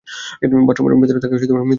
বাথরুমের ভেতর তাঁকে মৃত অবস্থায় পাওয়া গেছে।